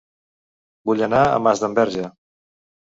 Vull anar a Masdenverge